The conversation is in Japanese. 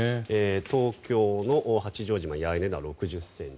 東京の八丈島・八重根では６０ｃｍ。